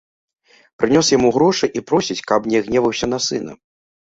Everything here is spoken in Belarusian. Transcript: Прынёс яму грошы і просіць, каб не гневаўся на сына.